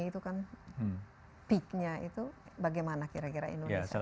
itu kan peaknya itu bagaimana kira kira indonesia